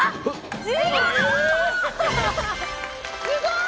すごい！